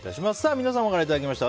皆さんからいただきました